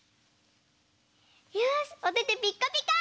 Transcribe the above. よしおててピッカピカ！